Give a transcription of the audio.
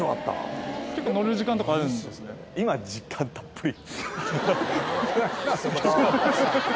結構、今、時間たっぷり。